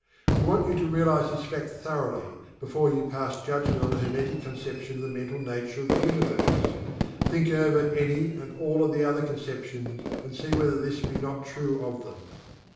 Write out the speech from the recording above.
We want you to realize this fact thoroughly, before you pass judgment on the Hermetic conception of the Mental nature of the Universe. Think over any and all of the other conceptions, and see whether this be not true of them.